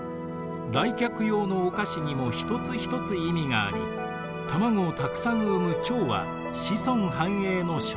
来客用のお菓子にも一つ一つ意味があり卵をたくさん産むちょうは子孫繁栄の象徴です。